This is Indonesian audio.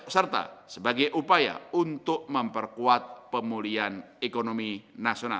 serta sebagai upaya untuk memperkuat pemulihan ekonomi nasional